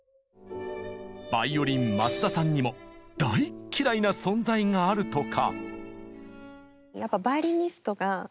バイオリン松田さんにも大っ嫌いな存在があるとか。